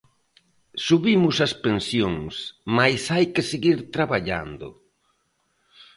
Subimos as pensións, mais hai que seguir traballando.